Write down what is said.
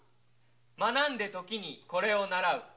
学んで時にこれをならう。